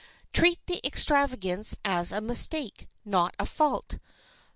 Treat the extravagance as a mistake, not a fault.